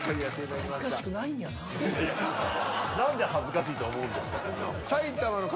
何で恥ずかしいと思うんですか。